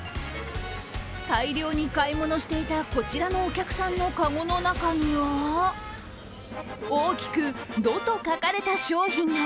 大量に買い物していたこちらのお客さんの籠の中には大きく「ド」と書かれた商品が。